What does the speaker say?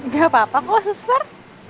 gak apa apa kok sister